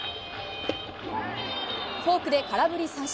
フォークで空振り三振。